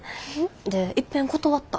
でいっぺん断った。